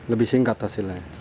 lebih singkat hasilnya